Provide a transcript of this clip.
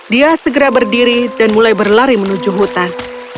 dia segera berdiri dan mulai berlari menuju hutan